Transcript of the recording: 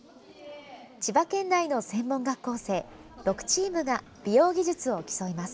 千葉県内の専門学校生６チームが美容技術を競います。